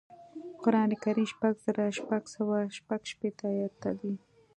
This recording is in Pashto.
قران کریم شپږ زره شپږ سوه شپږشپېته ایاته دی